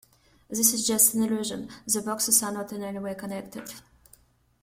This is just an illusion; the boxes are not in any way connected.